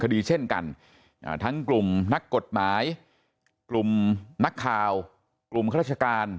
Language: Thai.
เช่นกันทั้งกลุ่มนักกฎหมายกลุ่มนักข่าวกลุ่มข้าราชการ